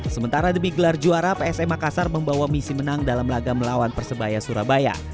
sementara demi gelar juara psm makassar membawa misi menang dalam laga melawan persebaya surabaya